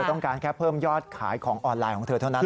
เธอต้องการแค่เพิ่มยอดขายของออนไลน์ถึงเธอ